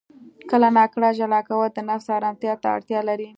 • کله ناکله ژړا کول د نفس آرام ته اړتیا لري.